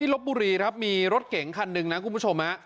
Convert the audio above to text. ลบบุรีครับมีรถเก๋งคันหนึ่งนะคุณผู้ชมฮะ